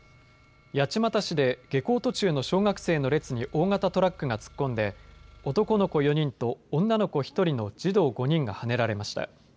八街市で下校途中の小学生の列に大型トラックが突っ込んで男の子４人と女の子１人の児童５人がはねられました。